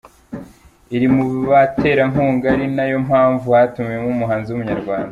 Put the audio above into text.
iri mu baterankunga ari na yo mpamvu hatumiwemo umuhanzi w’Umunyarwanda.